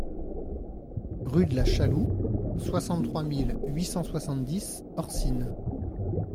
Rue de la Chaloux, soixante-trois mille huit cent soixante-dix Orcines